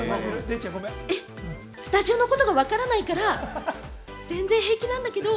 スタジオのことがわからないから全然平気なんだけど。